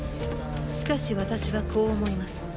しかし私はこう思います。